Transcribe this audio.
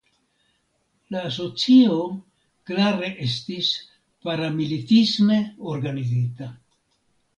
La asocio klare estis paramilitisme organizita.